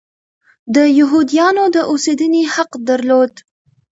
د یهودیانو د اوسېدنې حق درلود.